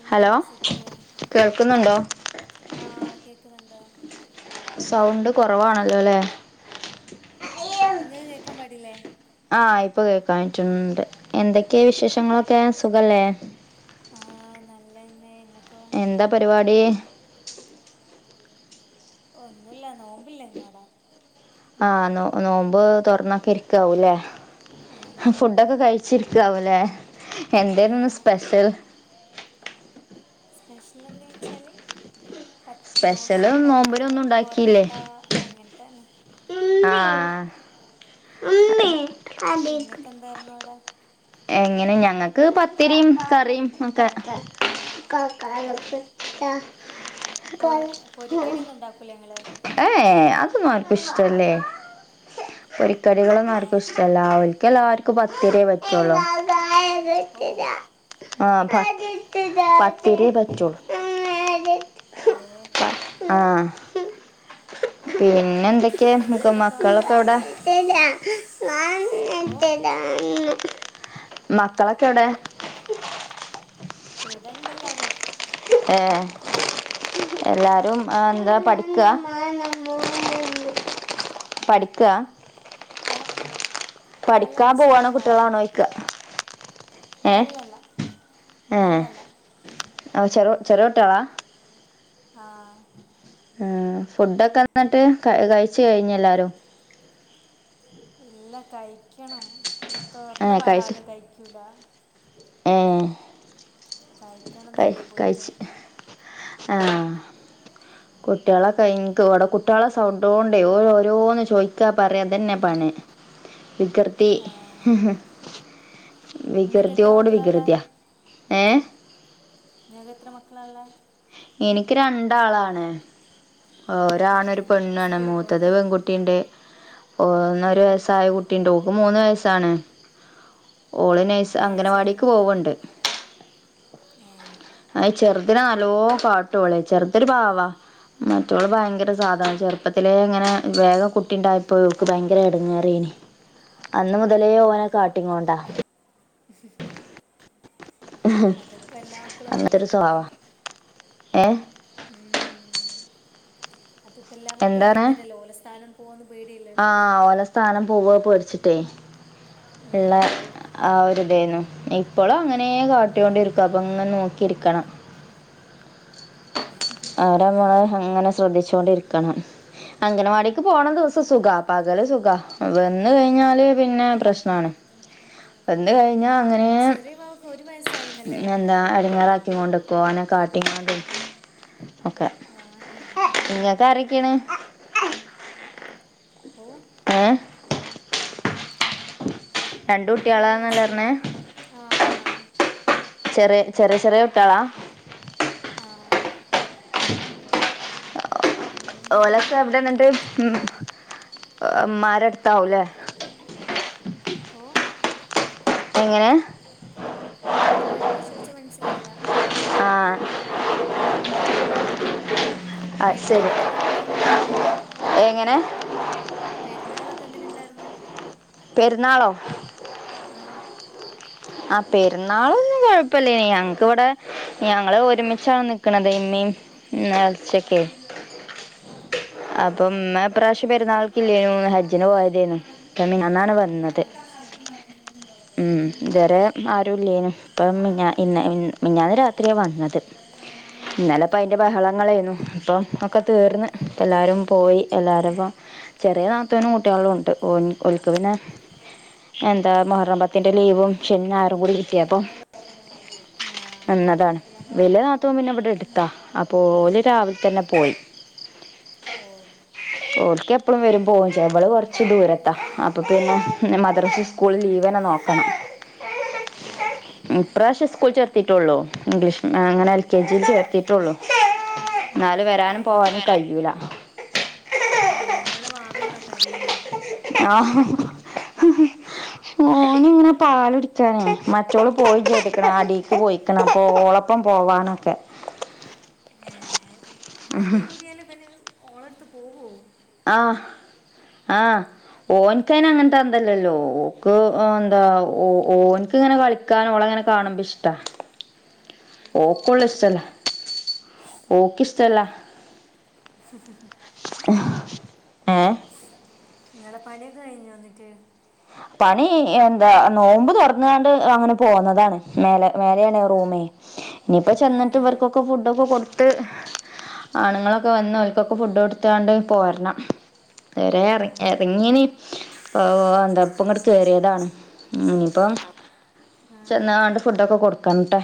എന്തല്ല ഹലോ കേൾക്കുന്നുണ്ടോ? ആഹ് കേക്ക്ന്ന് ണ്ട്. സൗണ്ട് കൊറവാണല്ലോ ലേ. ഇങ്ങക്ക് കേക്കാൻ പാടില്ലേ? ആഹ് ഇപ്പൊ കേക്കാൻ പറ്റ്ന്ന് ണ്ട്. എന്തൊക്കെ വിശേഷങ്ങളൊക്കേ, സുഖല്ലേ? ആഹ് നല്ലെന്നേ, ഇങ്ങക്കൊ? എന്താ പരിപാടീ? ഒന്നുല്ല, നോമ്പില്ലേ ഇന്നവ്ടെ? ആഹ് നോ നോമ്പ് തൊർന്നൊക്കെ ഇരിക്കാവുലേ. ഉം ഫുഡ്ഡൊക്കെ കഴിച്ചിരിക്കാവുലേ, എന്തേന്നുന്ന് ഞാൻ സ്പെഷ്യൽ? സ്പെഷ്യലെന്തേ വെച്ചാല് പത് ദോശ സ്പെഷ്യല് ഇണ്ടായ്നൂ. നോമ്പിനൊന്നും ഉണ്ടാക്കിയില്ലേ പൊറോട്ട അങ്ങൻത്തെന്നെ. ആഹ് ഇങ്ങക്കെന്തായിരുന്നു അവിടെ? എങ്ങനെ ഞങ്ങക്ക് പത്തിരിം കറിം ഒക്കെ. ഓ പൊ [unintelligible] പൊരിക്കടിയൊന്നും ഉണ്ടാക്കൂലേ ഇങ്ങള് ഏ ഏഹ്. അതൊന്നും ആർക്കും ഇഷ്ടല്ലേയ്. പൊരിക്കടികളൊന്നും ഏ ആര്ക്കും ഇഷ് ടല്ലാ ഓൽക്കെല്ലാർക്കും പത്തിര്യേ പറ്റൊള്ളു. ഓ ആഹ് പ പത്തിര്യേ പറ്റു. പയേ ആഹ് പിന്നെ എന്തൊക്കെ മുഖ പിന്നെന്തൊക്കെ മക്കളൊക്കെ വർത്താനം എവിടെ ഓ മക്കളൊക്കെ എവിടെ ഇവിടെണ്ട് എല്ലാരും ഏ എല്ലാരും എന്താ പഠിക്കാ പഠിക്കാ ഏഹ അല്ല പഠിക്കാൻ അല്ല ചെറ്യ പോവാണോ വാവണ്ട് കുട്ടികളാണോ ചോദിക്കുക ഏ അല്ലല്ല ഏ അല്ലല്ല ആ ചെറോ ചെറോകുട്ട്യളാ ആഹ് ഉം ഫുഡൊക്കെ എന്നിട്ട് കഴിച്ച് കഴിഞ്ഞോഎല്ലാരും ഇല്ല കഴിക്കണം തൊറന്ന ഏഹ് പാടെ ആരും കഴിക്കൂല ഏ കഴിക്കണം എന്തെങ്കിലും പോയിട്ട് കഴിച്ച് ആഹ് കുട്ട്യളെ കഴിഞ്ഞിക് എനിക്ക് ഇവിടെ കുട്ട്യളെ സൗണ്ടോണ്ടേ ഓല് ഓരോന്ന് ചോയിക്കാ പറയാ അതന്നെ പണി വികൃതി ഏ നിങ്ങൾക്ക് എത്ര വികൃതിയോട് മക്കളല്ലേ വികൃതിയാ ഏ ഇങ്ങക്ക് എത്ര മക്കളാ ഇള്ളെ എനിക്ക് രണ്ടാളാണ് ഏ ഒരാണ് ഒരു പെണ്ണാണ് സ്കൂളിൽ പോകുന്ന മൂത്തത് പെൺകു കുട്ടിണ്ട് ഓ ഒന്ന് ഒരു വയസ്സായ കുട്ടിയിണ്ട് ഓൾക്ക്മൂന്ന് വയസാണ് ഓള് നൈസ് ഏ ചെറിയ അംഗനവാടിക്ക് മക്കൾ പോവുണ്ട് തന്നെയല്ലേ ഏ അഹ് ചെറുതന് നല്ലോ കാട്ടോളെ ചെറുതൊരു പാവാ മറ്റോള് ഭയങ്കര സാധാന ചെറുപ്പത്തിലേ ഇങ്ങനെ വേഗം കുട്ടിണ്ടായപ്പൊ ഓൾക്ക് ഭയങ്കര എടങ്ങേറയ്ന് അന്ന് ആ, മുതലേ ഓനെ കാട്ടിങ്ങോണ്ടാ [inaudible] [inaudible] അത് ഇപ്പോ എല്ലാ മക്കളും അങ്ങനെ അങ്ങനത്തെ ഒരു തന്നെല്ലേ സ്വഭാവാ ഏ ഉം അതിപ്പോ എല്ലാ മക്കളും അങ്ങനെ തന്നെല്ലോ ഓലെ സ്ഥാനം പോകോന്ന് പേടിയല്ലെ ആഹ് ഓല സ്ഥാനം പോവോ പേടിച്ച്ട്ടെ, ഇള്ളെ ഉം. ആ ഒര്തേന്നു ഇപ്പളും അങ്ങനേ കാട്ട്യോണ്ടിര്ക്കാ അപ്പൊങ്ങനെ നോക്കിരിക്കണം. അവരമ്മളെ അങ്ങനെ ശ്രദ്ധിച്ചോണ്ടിരിക്കണം. അംഗനവാടീക്ക് പോണ ദിവസം സുഖാ. പകല് സുഖാ വെന്ന് കഴിഞ്ഞാല് പിന്നെ പ്രശ്നാണ്. വെന്ന് കഴിഞ്ഞാ അങ്ങനേ ചെറിയ പാവക്ക് ഒരു വയസ്സായി എന്നല്ലേ എന്താ വർണ്ണങ്ങള് എടങ്ങേറാക്കീങ്ങോണ്ട്ക്കും. ഓനെ ക്കാട്ടീങ്ങാണ്ടു നിക്കും ഒക്കെ ആണോ? ഇങ്ങക്കാരൊക്കേണ്? ഓ ഏഹ്? ഇൻക്കൊര് കുട്ടികളാന്നല്ലേ പറഞ്ഞേ വയസില്ലതും ആഹ് ആഹ്. ചെറ്യേ, ചെറ്യേ ചെറ്യേ കുട്ട്യാളാ? ആഹ് ഒന്നിന് ഒന്നരയും ഒന്നിന് ഓലൊക്കെവ്ടെന്ന്ട്ട്? അഞ്ചും ഉം ഇമ്മാരെട്ത്താവുംലെ? ഓഹ് എങ്ങനെ എന്താ ഇങ്ങട്ത്ത് ചോയിച്ചെ മനസ്സിലായില ആഹ് അത് ശെരി പെരുന്നാളൊക്കെ എങ്ങനെ ഉണ്ടായിരുന്നു ഏങ്ങനെ പെര്ന്നാളൊക്ക എങ്ങനെണ്ടാര്ന്നു പെര്ന്നാളോ ആഹ് ആഹ് പെര്ന്നാളൊന്നും കൊഴപ്പല്ലേനി ഞങ്ങക്ക്‌വടെ ഞങ്ങള് ഒരുമിച്ചാണ് നിക്ക്ണത് ഇമ്മീം ഇന്നെർച്ച്യെക്കെ അപ്പൊ ഇമ്മ ഇപ്രാവശ്യം പെരുന്നാൾക്കില്ലേനു ഹജ്ജിന് പോയതേന്നു ഇപ്പ മിഞ്ഞാന്നാണ് വ ന്നത് ഓ മഷാല ഉം ഓ ഇതുവരെ ആരും ഇല്ലേനു ഇപ്പം മിഞ്ഞാ ഇന്ന് ഇ മിഞ്ഞാന്ന് രാത്രിയാ വന്നത് ഇന്നലപ്പൊ അതിൻ്റെ ഏ, ബഹളങ്ങളേന്നു ഇപ്പം ഒക്കെ തീർന്ന് എല്ലാരും പോയി എല്ലാരുംപ്പൊ ചെറ്യേ നാത്തൂനും കുട്ട്യാളുണ്ട് ഓൻ ഓൽക്ക് പിന്നെ എന്താ മുഹറം പത്തിന്റെ ലീവും ശെനിം ഞായറും കൂടി കിട്ട്യേപ്പൊ ആ, നിന്നതാണ് വെല്ല്യ നാത്തും പിന്നെ ഇവടെട്ത്താ അപ്പോല് രാവിൽത്തന്നെ പോയി ഓഹ് ഓൽക്കെപ്പളും വെരും പോവും ചെയ്യാ ഇവള് കൊറച്ച് ദൂരത്താ അപ്പൊ പിന്നെ ഇന്ന് മദ്രസിം സ് കൂളും ലീവെന്നെ നോക്കണം ആഹ് ഇപ്രാവശ്യം സ്കൂള് ചേർത്തീട്ടൊള്ളു ഇംഗ്ളീഷ് ആഹ് അങ്ങനെ എൽ കെ ജീ ല് ചേർത്തീട്ടൊള്ളു ഇന്നാലും ആ, വെരാനും ഏ. പോവാനും കയ്യൂല ഏഹ് ഇങ്ങളെ വാവേണോ കരയ്ന്നെ ആഹ് ഓന്ങ്ങനെ പാലുടിച്ചാനെ മറ്റോള് പോയിം ചെയ്ത്ക്ക്ണ് അടീക്ക് പൊയ്‌ക്ക്ണ് അപ്പൊ ഓളപ്പം പോവ്വാനൊക്കെ [inaudible] അടികൂടിയാലും ഇബന് ഓളെട്ത്ത് പോവോ ആഹ് ആഹ് ഓൻക്കയിന് അങ്ങൻത്തഅന്തല്ലല്ലോ ഓക്ക് ഏഹ് എന്താ ഓ ഓൻക്ക്ങ്ങനെ കളി ക്കാനോളങ്ങന കാണുമ്പ ഇഷ്ട്ടാ ഓ ഓക്കൊള്ളേ ഇഷ്ടല്ല ഓക്ക് ഇഷ്ടല്ല [inaudible] ഏഹ് ഇങ്ങളെ പണിയൊക്കെ കഴിഞ്ഞോ ഇന്ന്ട്ട് പണി ഏന്താ നോമ്പ് തൊറന്നാണ്ട് അങ്ങനെ പോന്നതാണ് മേലെ മേലേണ് റൂമേ ഇഞ്ഞിപ്പൊ ഏ, ചെന്ന്ട്ട് ഇവർക്കൊക്കെ ഫുഡൊക്കെ കൊട്ത്ത് ആണ്ങ്ങളൊക്ക വന്ന് ഓൽകൊക്കെ ഫുഡ് കൊടുത്താണ്ട് പോര്ണം ത് വരേ എറി ആം. എറങ്ങീനി പ്പോ എന്താ പ്പങ്ങട്ട് കേറ്യേതാണ് ഇഞ്ഞിപ്പം ആ, ചെന്നാണ്ട് ഫുഡൊക്കെ കൊടുക്കൺട്ടെ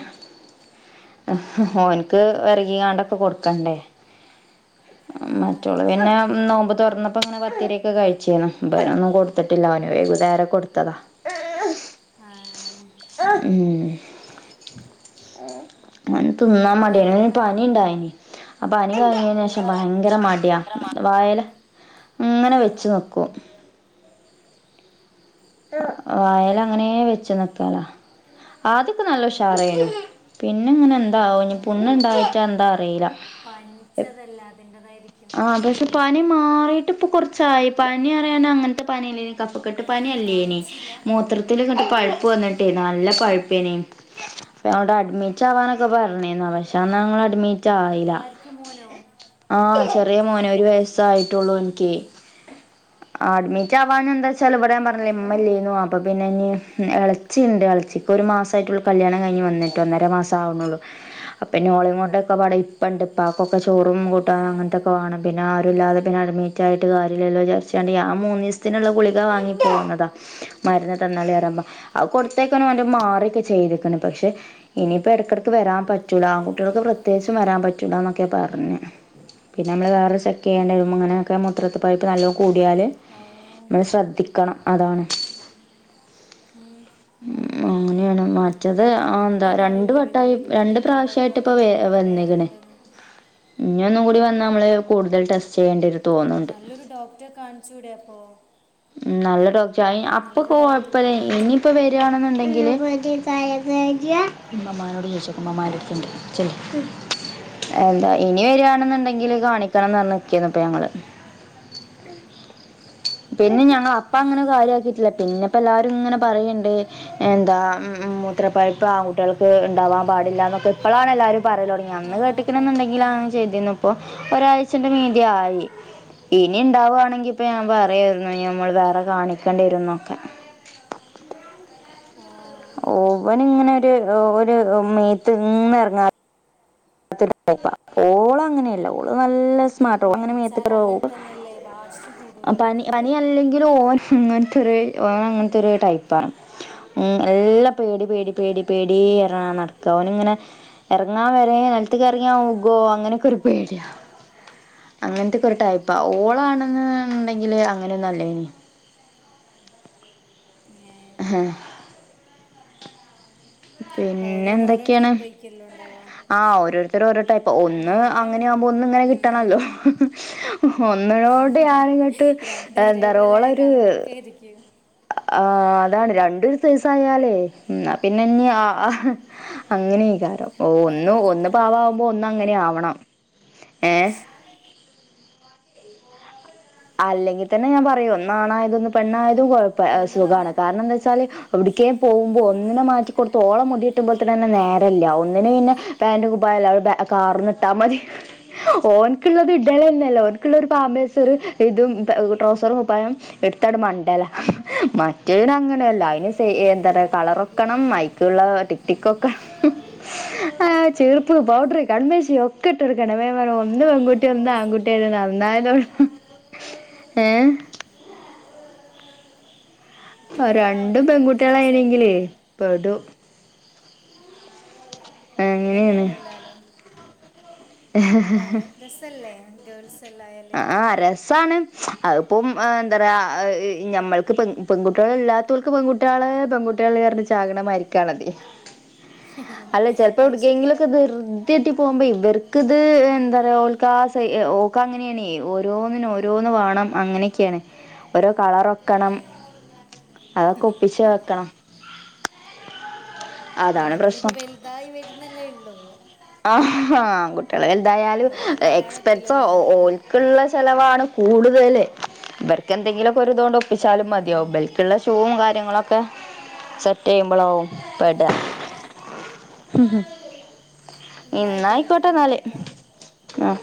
ഓന്ക്ക് വെരകിങ്ങാണ്ടൊക്കെ കൊട്ക്കണ്ടേ ആഹ് റ്റോള് പിന്നെ നോമ്പ് തൊറന്നപ്പൊ ങ്ങനെ പത്തിരിയൊക്കെ കഴിച്ചേന്നു ഇബനൊന്നും കൊടുത്ത്ട്ടില്ല ഓന് വൈ ന്നേരം കൊടുത്തതാ ആ, ഉം. ഓന് തിന്നാൻ പിന്നെന്തല്ല മട്യാണ് ഓന് വർത്താനം പനിണ്ടായിനി. ആ പനി ഔ. കഴിഞ്ഞേനേഷം ഭയങ്കര മട്യാ. വായേല്, ങ്ങനെ ഏ, വെച്ച് നിക്കും. വായേലങ്ങനേ വെച്ച് നിക്കലാ ആദ്യൊക്കെ നല്ല ഉഷാറേനു. പിന്നെങ്ങനെ എന്താവോ ഞ്ഞി പുണ്ണ്ണ്ടായിറ്റാ എന്താ അറീലാ. പൻച്ചതല്ലേ അതിന്റെതായിരി ആഹ് പക്ഷെ പനി മാറീട്ട് പ്പൊ കൊറച്ചായി പനിയറിയാന് അങ്ങൻത്തെ പനി ഇല്ലേനി. കഫകെട്ട് പന്യല്ലേനി കാണിച്ചില്ല മൂത്രത്തില് ങ്ങട്ട് പഴുപ്പ് വന്നിട്ടേ നല്ല പഴുപ്പേനി. അപ്പ ഞങ്ളോട് അഡ്മിറ്റാവാനൊക്കെ പർഞ്ഞീന്നു. പക്ഷെ അന്നങ്ങള് അഡ്മി റ്റായിലാക ആർക്ക് മോനോ ആഹ് ചെറിയ മോന്. ഒരു വയസ്സായിട്ടൊള്ളു ഓൻക്കെ. അഡ്മിറ്റാവാഞ്ഞെന്താച്ചാല് ഇവടെ ഞാൻ പർഞ്ഞിലേ അള്ളാ ഇമ്മല്ലേന്നു. അപ്പ പിന്നെനി എളെച്ചിണ്ട് എളെച്ചിപ്പൊരു മാസായിറ്റൊള്ളു കല്ല്യാണം കഴിഞ്ഞ് വന്നിട്ട് ഒന്നര മാസാവുണൊള്ളൂ. അപ്പപിന്നെ ഓളിങ്ങോണ്ടൊക്കെപാടെ ഇപ്പണ്ട്‌. ഇപ്പാക്കൊക്കെ ചോറും കൂട്ടാൻ ഏ, അങ്ങനത്തൊക്കെ വാണം. പിന്നെ ആരും ഇല്ലാതെ പിന്നെ അഡ്‌മി റ്റായിട്ട് കാര്യല്ലല്ലോ വിചാര്ച്ച്കാണ്ട് ഞാൻ മൂന്നീസത്തിന്ള്ള ഗുളികാ വാങ്ങിപ്പോന്നതാ. മര്ന്ന് തന്നാളിയറിമ്പം. അത് കൊടുത്തേക്കന്നെ ഓന്റെ മാറ്യൊക്കെ ചെയ്ത്ക്ക്ണ്. പക്ഷെ ഇനിയിപ്പ എട്ക്കെട്ക്ക് വരാൻ പറ്റൂല. ഏ, ആങ്കുട്ട്യാൾക്ക് പ്രത്യേകിച്ചും വരാൻ പറ്റൂലാന്നൊക്കെ പർഞ്ഞ്. പിന്നെ നമ്മള് വേറെ ചെക്കെയ്യണ്ട്യേരുമ്പം ഇങ്ങനൊക്കെ മുത്രത്തി പഴ്പ്പ് നല്ലോം കൂടിയാല്, ഓ ഉം. മ്മള് ശ്രദ്ധിക്കണം. അതാണ് മൂ- ഉം അങ്ങനേണ് മാ റ്റത് ഞമ്മക്ക് ആന്താ തന്നെ രണ്ടു അറിയില്ലേ വട്ടായി വലിയവർക്ക് രണ്ട്‌ മൂത്രത്തിൽ പഴുപ്പ് പ്രാവശ്യായിട്ട് പ്പൊ വന്നാൽ വെ എന്തൊക്കെ വേദന വെന്ന്ക്ക്ണ്. ഉണ്ടെന്ന് ഇഞ്ഞ് ഒന്നും കൂടി വന്നാ മ്മള് കൂടുതൽ ടെസ്റ്റെയ്യേണ്ട്യെരും. നല്ലൊരു ഡോക്റ്റെ കാണിച്ചൂടെ അപ്പൊ. ഉം നല്ല ഡോക്റ്റ് അയ് അപ്പൊക്ക ഡോക്ടറെ പോയി കൊഴപ്പല്ലേ. ഇനിപ്പ കാണിച്ചോർത്തു വെരാണ്ന്ന്ണ്ടെങ്കില് ഇമ്മമ്മാനോട് ചോയിച്ചോക്ക് ഇമ്മമ്മാന്റെട്ത്ത്ണ്ട്‌ ചെല്ല്. എന്താ ഇനി വെരാണ് ന്ന് ണ്ടെങ്കില് കാണിക്കണംന്നർഞ്ഞ് നിക്കേന്നു പ്പൊ ഞങ്ങള്. പിന്നെ ഞങ്ങള് അപ്പ അങ്ങനെ കാര്യാക്കീട്ടില്ല പിന്നെ പ്പ എല്ലാരും ഇങ്ങനെ പറയീണ്ട്. എന്താ ഉം, ഉം മൂത്രപഴ്പ്പ് ആങ്കുട്ട്യേൾക്ക് ഇണ്ടാവാൻ പാടില്ലാന്നൊക്കെ ഇപ്പളാണ് എല്ലാരും പറയലൊട്ങ്ങ്യേ. ആ അന്ന് കേട്ട്ക്ണ് പറ ആ, ന്ന്ണ്ടെങ്കിലാങ്ങ് ചെയ്തീന്നു. പ്പൊ ഒരാഴ്ചന്റെ മീതെ ആയി ഇനി ഇണ്ടാവാണെങ്കി ഇപ്പ ഞാൻ പറയാ ന്നാ ഞമ്മള് വേറെ കാണിക്കണ്ട്യേരും ന്നൊക്കെ. ആഹ്. ഓ ഇവനിങ്ങനൊരു ഒരു മേത്ത്ന്ന് എർങ്ങാ ത്തൊരു ടൈപ്പാ. ഓളങ്ങനെയല്ല ഓള് നല്ല സ് ഈ സ്മാർട്ടാ ഓളങ്ങനെ മേത്ത് പനിച്ചാൽ കെറോ, അങ്ങനെ തന്നെയല്ലേ വാശി കൂടൂലേ പനി മക്കൾക്ക് പനി അല്ലെ ങ്കിലും ഓൻ ഇങ്ങൻത്തൊരു ഓനങ്ങൻത്തൊരു ടൈപ്പാണ്. ഉം എല്ലാ പേടി, പേടി, പേടി, പേടീ ഏ, പർഞ്ങ്നെ നടക്കാ. ഓന്ങ്ങനെ, എർങ്ങാൻ വരെ നെൽത്ത്ക്ക് എർങ്ങിയാ ഓൻ വ്കോ അങ്ങനൊക്കൊരു പേട്യാ. അങ്ങൻത്തെക്കൊരു ടൈപ്പാ. അള്ളാ ഓളാണ്ന്ന്ണ്ടെങ്കില് അങ്ങന്യൊന്നും അല്ലേനി. ഏ, അഹേ പ്പോ പിന്നെ ഓരോന്ന് ഓരോ ടൈപ്പൈക്ക്യല്ലൊ ഇണ്ടാവാ. ആഹ് ഓരോരുത്തര് ഓരോടൈപ്പാ ഒന്ന് അങ്ങനെ തന്നെ ആവുമ്പോ ഒന്ന് ഇങ്ങനെ ഉം. കിട്ടണല്ലോ ഒന്നിനോട് ഞാന്ങ്ങട്ട് ശ് എന്താറയ ഓളോര് ഇരിക്ക് ആഹ് അതാണ് രണ്ടും ഒരു സൈസ് ആയാലേ ഉം എന്നാ പിന്നെ ഇഞ്ഞ് ആഹ് അങ്ങനെയ്ക്കാരം ഓ ഓരോ ഒന്ന് ഒന്ന് മറിച്ചിട്ടോളൂ പാവാകുമ്പം ഒന്ന് അങ്ങനെയാവണം ഏഹ് അല്ലെങ്കി തന്നെ ഞാൻ പറയും ഒന്നാണായതും ഒന്ന് പെണ്ണായതും കൊഴപ്പ ഏഹ് എന്താ പറഞ്ഞ സുഖാണ് കാരണം എന്താ വെച്ചാല് എവടെക്കേം പോകുമ്പോ ഒന്നിനെ മാറ്റിക്കടുത്ത് ഓള മുടി കെട്ടുമ്പോ തന്നെ നേരല്ല ഒന്നിനെ പിന്നെ എന്ത് പാന്റ് കുപ്പായല്ലേ അത് ബാ കാറ്ന്ന് ഇട്ടാ മതി ഓൻക്ക്ള്ളത് ഇടലന്നെല്ല ഓൻക്കുള്ള ഒരു പാമ്പേഴ്സും ഒരു ഇതും പെ ട്രൗസറും കുപ്പായം ഇട്ത്താണ്ട്മണ്ടലാ മറ്റേയിന് അങ്ങനെയല്ല അതിന് എന്താണ് കളറൊട്ക്കണം മൈ ഉള്ള ടിക് ടിക്കൊക്കെ ശ് ആഹ് ചീർപ്പ്, പൗഡ്റ്, കൺമഷി ഒക്കെട്ട്ട്കണം അപ്പൊ ഞാൻ പർണ് ഒന്ന് അല്ല പെൺകുട്ടിയും നിങ്ങളെ ഒന്ന് വോയിസ് ആൺകുട്ടിയും ആയത് ഒട്ടും നന്നായതൊള്ളൂ ഏഹ് ക്ലിയർ രണ്ട് ആവുന്നില്ല നിങ്ങള് പെൺകുട്ടികളായിണെങ്കിലേ സംസാരിക്കുന്നെ പെടും അങ്ങനെയാണ് അങ്ങനെയൊന്നുല്ലാലോ ഏഹ് രസല്ലേ. ഗേൾസ് എല്ലാം ആയാല് ആഹ് രസാണ് അതിപ്പം എന്താ പറയ നമ്മക്ക് പെ പെൺകുട്ടികൾ ഇല്ലാത്തവർക്ക് പെൺകു കുട്ട്യേള് പെങ്കുട്ട്യേള്ർഞ്ഞ് ചാക്ണ മാതിരിക്കാണതെ അല്ല ചെൽപ്പോ അത് ശരിയാ എവ്ട്ക്കെങ്കിലൊക്കെ ദ്ർ ത്തിയെട്ടി പോവുമ്പോ ഇവർക്ക് ഇത് എന്താ ഉം. പറയാ ഓൽക്കാ സൈ ഏ ഓൾക്കങ്ങ് ന്നിണെ ഓരോന്നിന് ഓരോന്ന് വാണം അങ്ങനെക്ക്യാണ് ഓരോ കളറോ ഏ, ക്കണം അതൊക്കെ ഒപ്പിച്ച് വെക്കണം. അതാണ് മോന് ഇനി പ്പോ പ്രശ്നം വലുതായി വരുന്നല്ലേ ഉള്ളൂ. ആഹ് ആങ്കുട്ടെള് വെൽതായാലും അപ്പോൾ പിന്നെ പറയാൻ എക്സ്പെൻസോ പറ്റില്ലല്ലോ ഓൽ അങ്ങനെയാണെന്ന് ഉള്ള ചെലവാണ് കൂടുതല് ഇബര്ക്കെന്തെങ്കിലും ഒര്തോണ്ട് ഒപ്പിച്ചാലും ഉം. മതിയാവും ബെൽക്ള്ള ഷൂഉം കാര്യങ്ങളൊക്കെ ച്ച റ്റെയ്യ്മ്പളാവും ആ. പെടാ എന്നാ ഇന്നാ ആയിക്കോട്ടെ ട്ടോ, പിന്നെ അയിക്കോട്ടെന്നാല് വിളിക്കാം ആഹ്